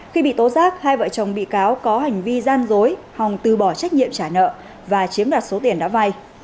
khi bị tố giác hai vợ chồng bị cáo có hành vi gian dối hòng từ bỏ trách nhiệm trả nợ và chiếm đoạt số tiền đã vay